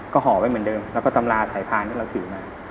ก็ห่อไว้เหมือนเดิมแล้วก็ตำราสายพานที่เราถือมา